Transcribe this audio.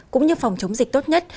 cũng như phòng chống dịch tốt nhất